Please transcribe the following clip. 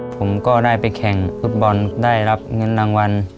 ผมก็ได้ไปแข่งฟุตบอลได้รับเงินรางวัล